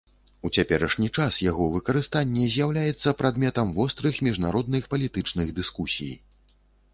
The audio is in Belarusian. У цяперашні час яго выкарыстанне з'яўляецца прадметам вострых міжнародных палітычных дыскусій.